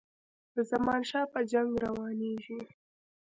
د زمانشاه په جنګ روانیږي.